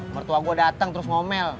mertua gue datang terus ngomel